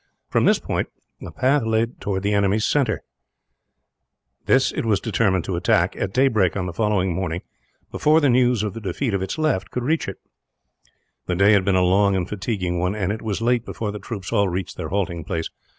From this point, a path led towards the enemy's centre; this it was determined to attack, at daybreak on the following morning, before the news of the defeat of its left could reach it. The day had been a long and fatiguing one, and it was late before the troops all reached their halting place.